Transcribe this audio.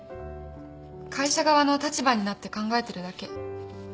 会社側の立場になって考えてるだけ。